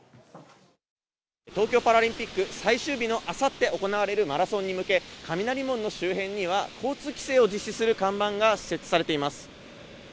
東京パラリンピック最終日の明後日行われるマラソンに向け、雷門の周辺には交通規制を実施する看板が設置されています。